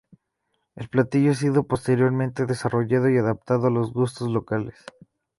El platillo ha sido posteriormente desarrollado y adaptado a los gustos locales.